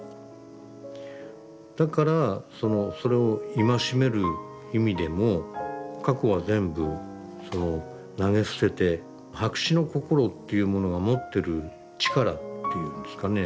だからそれを戒める意味でも過去は全部投げ捨てて白紙の心っていうものが持ってる力っていうんですかね。